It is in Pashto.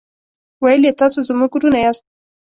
ویل یې تاسو زموږ ورونه یاست.